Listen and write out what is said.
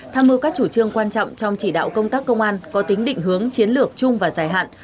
tham mưu các chủ trương quan trọng trong chỉ đạo công tác công an có tính định hướng chiến lược chung và dài hạn